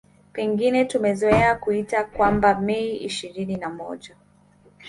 Pengine tumezoea kuita kwamba Mei ishirini na moja